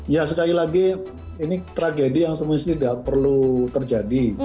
ya sekali lagi ini tragedi yang semestinya tidak perlu terjadi